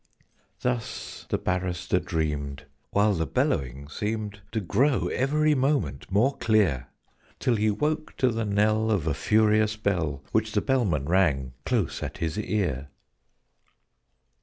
Thus the Barrister dreamed, while the bellowing seemed To grow every moment more clear: Till he woke to the knell of a furious bell, Which the Bellman rang close at his ear.